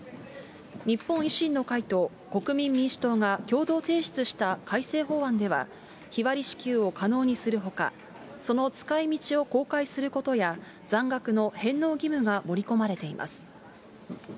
日本維新の会と国民民主党が共同提出した改正法案では、日割り支給を可能にするほか、その使いみちを公開することや、残額の返納義務が盛り込まれています。